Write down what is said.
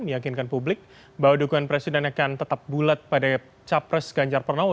meyakinkan publik bahwa dukungan presiden akan tetap bulat pada capres ganjar pranowo